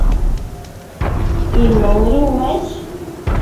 ¿Imanrunqaćh?